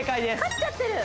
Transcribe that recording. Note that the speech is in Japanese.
勝っちゃってる！